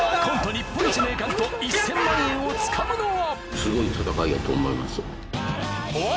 日本一の栄冠と１０００万円をつかむのは！？